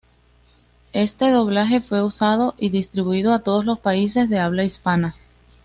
Este doblaje fue usado y distribuido a todos los países de habla hispana.